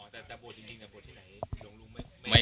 แต่บวชจริงแต่บวชที่ไหน